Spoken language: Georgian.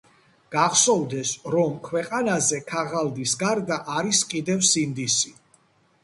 გახსოვდეს, რომ ქვეყანაზე ქაღალდის გარდა არის კიდევ სინდისი